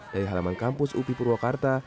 dari halaman kampus upi purwakarta